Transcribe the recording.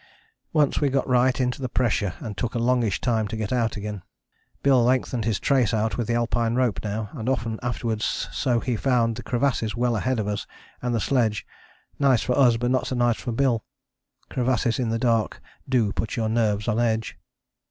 " Once we got right into the pressure and took a longish time to get out again. Bill lengthened his trace out with the Alpine rope now and often afterwards so he found the crevasses well ahead of us and the sledge: nice for us but not so nice for Bill. Crevasses in the dark do put your nerves on edge.